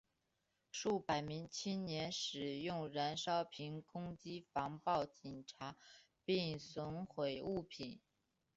数百名青年使用燃烧瓶攻击防暴警察并损毁物品。